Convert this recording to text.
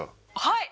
はい！